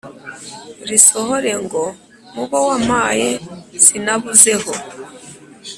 risohore ngo Mu bo wampaye sinabuzeho